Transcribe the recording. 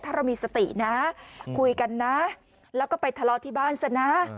ถ้าเรามีสตินะคุยกันนะแล้วก็ไปทะเลาะที่บ้านซะนะ